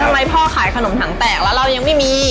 ทำไมพ่อขายขนมถังแตกแล้วเรายังไม่มี